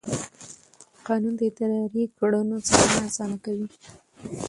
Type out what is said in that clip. قانون د اداري کړنو څارنه اسانه کوي.